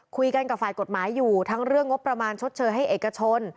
คุยกับฝ่ายกฎหมายอยู่ทั้งเรื่องงบประมาณชดเชยให้เอกชน